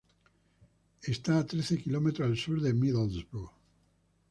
Está a trece kilómetros al sur de Middlesbrough.